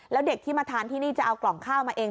แล้วเด็กที่มาทานที่นี่จะเอากล่องข้าวมาเอง